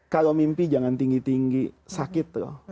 kalau mimpi jangan tinggi tinggi sakit loh